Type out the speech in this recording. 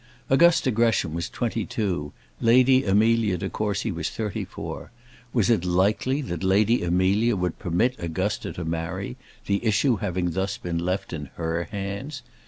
Augusta Gresham was twenty two, Lady Amelia de Courcy was thirty four; was it likely that Lady Amelia would permit Augusta to marry, the issue having thus been left in her hands?